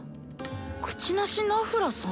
「口なしナフラ」さん？